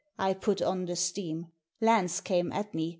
I put on the steam. Lance came at me.